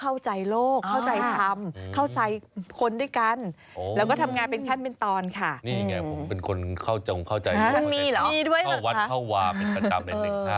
เอาค่ะเรามาดูที่เลขหนึ่ง